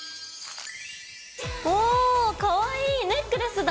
おおかわいいネックレスだ！